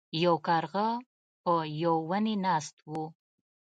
یو کارغه په یو ونې ناست و.